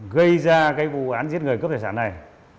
gây ra vụ án giết người cướp thể sản này